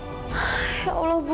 bukannya richard itu selingkuhannya kamu